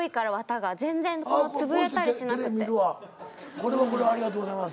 これはこれはありがとうございます。